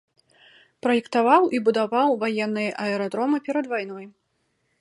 Праектаваў і будаваў ваенныя аэрадромы перад вайной.